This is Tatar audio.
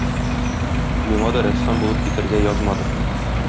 Миңа да рәссам булып китәргә язмады.